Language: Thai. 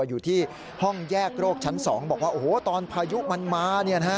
อยู่ที่ห้องแยกโรคชั้น๒บอกว่าโอ้โหตอนพายุมันมา